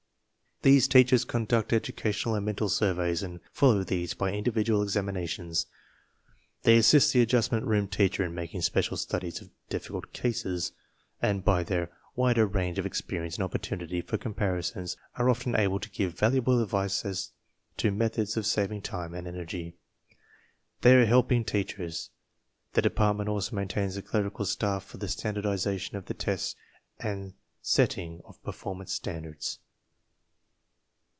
These teachers conduct educational and mental surveys and follow these by individual examinations. They assist the Adjustment Room teacher in making special studies of difficult cases, 68 TESTS AND SCHOOL REORGANIZATION and by their wider range of experience and opportunity for comparisons are often able to give valuable advice as to methods of saving time and energy. They are "help ing' 5 teachers. The department also maintains a clerical staff for the standardization of the tests and setting of performance standards.